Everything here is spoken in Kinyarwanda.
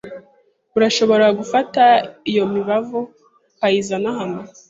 Urashobora gufata iyo mibavu ukayizana hano?